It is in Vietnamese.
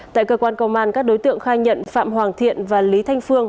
tại cơ quan công an các đối tượng khai nhận phạm hoàng thiện và lý thanh phương